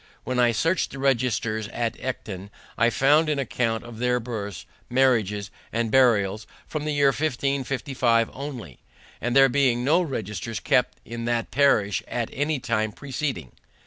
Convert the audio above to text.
When I searched the registers at Ecton, I found an account of their births, marriages and burials from the year 1555 only, there being no registers kept in that parish at any time preceding.